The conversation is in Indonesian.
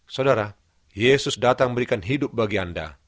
saudara yesus datang memberikan hidup bagi anda